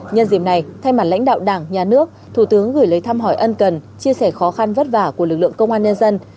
nhân dịp này thay mặt lãnh đạo đảng nhà nước thủ tướng gửi lời thăm hỏi ân cần chia sẻ khó khăn vất vả của lực lượng công an nhân dân